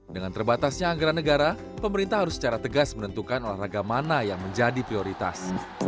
dengan terbatasnya anggaran negara pemerintah harus secara tegas menentukan olahraga mana yang menjadi prioritas